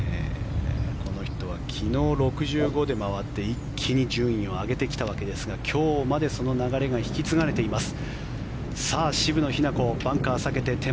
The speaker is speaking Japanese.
この人は昨日、６５で回って一気に順位を上げてきたわけですが今日までその流れが引き継がれています。